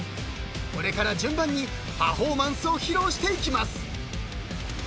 ［これから順番にパフォーマンスを披露していきます］